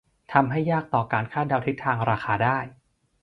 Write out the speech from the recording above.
ทำให้ยากต่อการคาดเดาทิศทางราคาได้